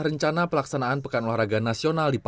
rencana pelaksanaan pekan olahraga nasional di papua